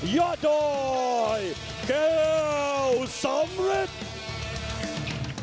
ยอดรอย๙สำเร็จ